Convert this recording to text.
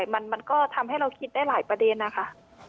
มันก็ทำให้เราคิดได้หลายอย่างค่ะ